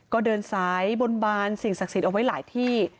ก็เดินสายบนบานสิ่งศักดิ์สิทธิ์เอาไว้หลายที่